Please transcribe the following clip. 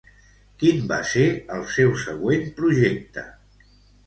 Quin va ser el seu següent projecte?